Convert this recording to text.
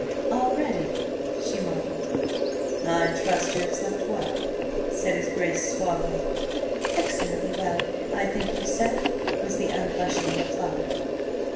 "Already?" she marvelled. "I trust you have slept well," said his Grace suavely. "Excellently well, I thank you, sir," was the unblushing reply.